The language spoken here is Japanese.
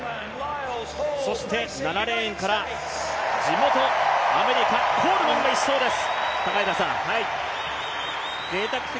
そして７レーンから地元アメリカ、コールマンが１走です。